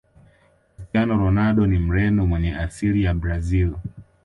cristiano ronaldo ni mreno mwenye asili ya brazil